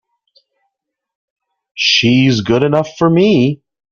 She's good enough for me!